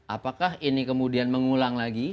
apakah ini kemudian mengulang lagi